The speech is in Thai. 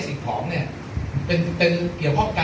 ที่ช่วยอีกหลวงด้วย